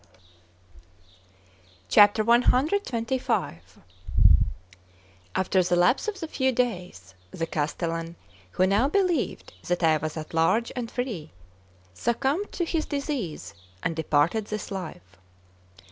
CXXV AFTER the lapse of a few days, the castellan, who now believed that I was at large and free, succumbed to his disease and departed this life.